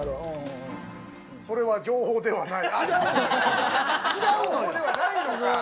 『それは情報ではない』。